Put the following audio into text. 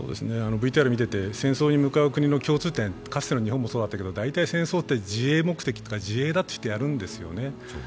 ＶＴＲ見てて、戦争に向かう国の共通点、かつての日本もそうだったけど、大体、戦争って自衛目的ってやるんですよね。